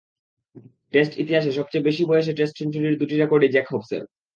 Test ইতিহাসে সবচেয়ে বেশি বয়সে টেস্ট সেঞ্চুরির দুটি রেকর্ডই জ্যাক হবসের।